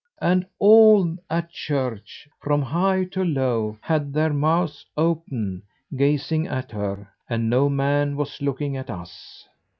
And all at church, from high to low, had their mouths open, gazing at her, and no man was looking at us."